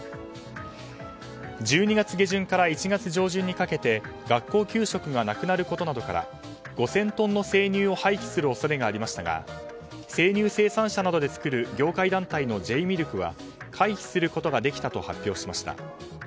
１２月下旬から１月上旬にかけて学校給食がなくなることなどから５０００トンの生乳を廃棄する恐れがありましたが生乳生産者などで作る業界団体のＪミルクは回避することができたと発表しました。